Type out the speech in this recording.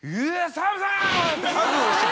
「澤部さん